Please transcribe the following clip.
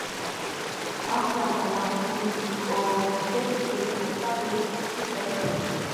გამხმარი ბალახი გულის გლიკოზიდებს შეიცავს და მედიცინაში იყენებენ.